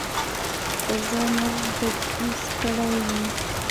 پر ځای مرګ تجویز کړی وي